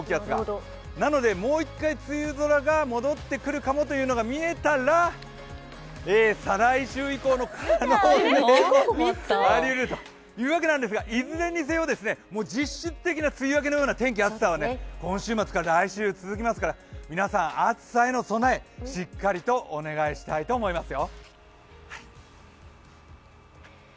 なのでもう一回、梅雨空が戻ってくるかもというのが見えたら再来週以降の可能性もありえるということなんですがいずれにせよ、実質的な梅雨明けのような天気、暑さが今週末から来週、続きますから皆さん、暑さへの備え、しっかりとお願いしたいと思いますよ。